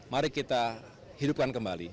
mari kita hidupkan kembali